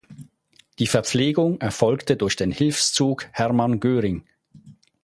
Die Verpflegung erfolgte durch den „Hilfszug Hermann Göring“.